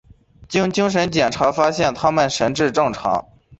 经精神检查发现他们神智正常。